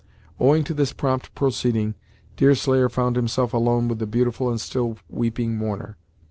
Owing to this prompt proceeding, Deerslayer found himself alone with the beautiful and still weeping mourner.